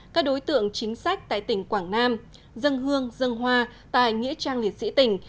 các đối tượng chính sách tại tỉnh quảng nam dân hương dân hoa tại nghĩa trang liệt sĩ tỉnh